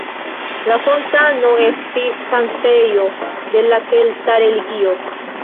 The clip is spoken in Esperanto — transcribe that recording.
La fontano estis sanktejo de la kelta religio.